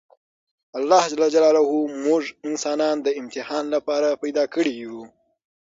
الله ج موږ انسانان د امتحان لپاره پیدا کړي یوو!